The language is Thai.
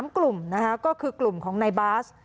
๓กลุ่มนะคะก็คือกลุ่มของในบาส